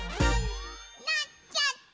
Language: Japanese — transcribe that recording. なっちゃった！